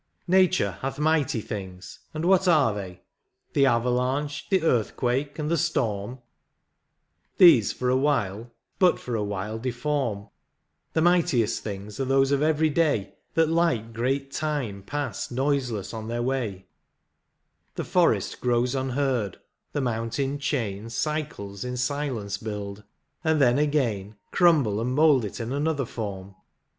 Nature hath mighty things, and what are they? The avalanche, the earthquake, and the storm ? These for a while, hut for a while deform ; The mightiest things are those of every day, That like great Time pass noiseless on their way : The forest grows unheard, the mountain chain Cycles in silence huild, and then again Crumhle and mould it in another form.